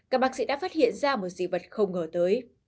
các bác sĩ đã phát hiện ra một dị vật không ngờ tới